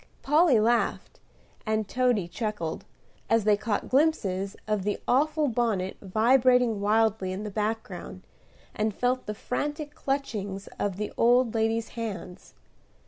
Polly laughed, and Toady chuckled, as they caught glimpses of the awful bonnet vibrating wildly in the background, and felt the frantic clutchings of the old lady's hands.